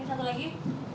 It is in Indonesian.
ini satu lagi